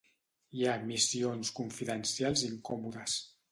Hi ha missions confidencials incòmodes.